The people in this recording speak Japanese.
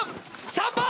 ３番！